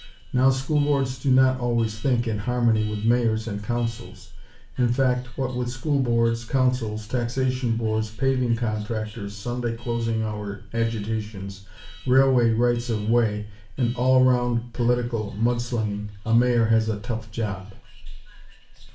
Now school boards do not always think in harmony with Mayors and Councils; in fact, what with school boards, Councils, taxation boards, paving contractors, Sunday closing hour agitations, railway rights of way, and all round political "mud slinging," a Mayor has a tough job.